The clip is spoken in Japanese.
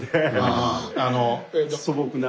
素朴な。